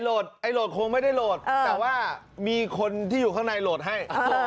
ไอ้โหลดคงไม่ได้โหลดแต่ว่ามีคนที่อยู่ข้างในโหลดให้